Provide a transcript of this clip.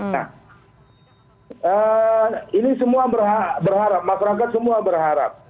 nah ini semua berharap masyarakat semua berharap